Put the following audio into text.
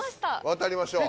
渡りましょう。